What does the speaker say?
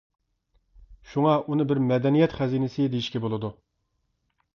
شۇڭا، ئۇنى بىر مەدەنىيەت خەزىنىسى دېيىشكە بولىدۇ.